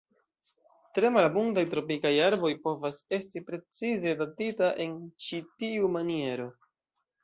Tre malabundaj tropikaj arboj povas esti precize datita en ĉi tiu maniero.